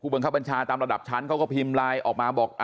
บังคับบัญชาตามระดับชั้นเขาก็พิมพ์ไลน์ออกมาบอก